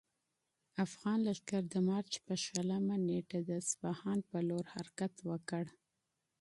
افغان لښکر د مارچ په شلمه نېټه د اصفهان پر لور حرکت وکړ.